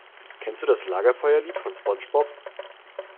Kennst du das Lagerfeuerlied von SpongeBob?